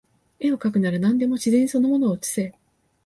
画をかくなら何でも自然その物を写せ